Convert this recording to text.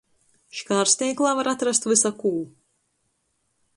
Škārsteiklā var atrast vysakū.